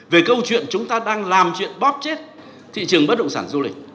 về câu chuyện chúng ta đang làm chuyện bóp chết thị trường bất động sản du lịch